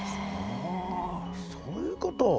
はあそういうこと。